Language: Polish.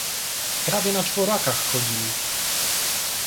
"Prawie na czworakach chodzili."